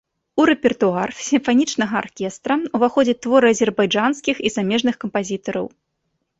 У рэпертуар сімфанічнага аркестра ўваходзяць творы азербайджанскіх і замежных кампазітараў.